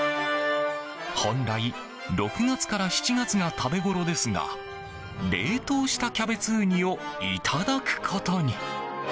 本来６月から７月が食べごろですが冷凍したキャベツウニをいただくことに。